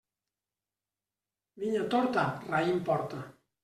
Vinya torta, raïm porta.